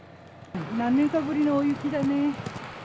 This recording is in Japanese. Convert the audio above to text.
何年かぶりの大雪だね。